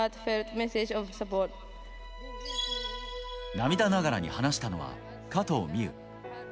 涙ながらに話したのは加藤未唯。